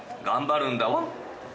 頑張るんだワン！